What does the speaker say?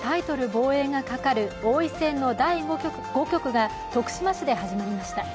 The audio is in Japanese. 防衛がかかる王位戦の第５局が徳島市で始まりました。